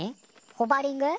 ホバリング？